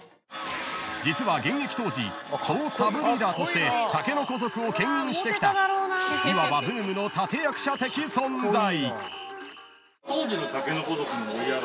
［実は現役当時総サブリーダーとして竹の子族をけん引してきたいわばブームの立役者的存在］